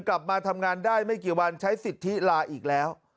กลับมาทำงานได้ไม่กี่วันใช้สิทธิลาอีกแล้ว